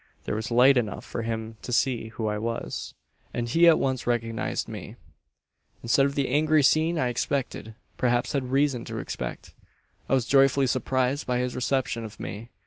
"There was light enough for him to see who I was; and he at once recognised me. "Instead of the angry scene I expected perhaps had reason to expect I was joyfully surprised by his reception of me.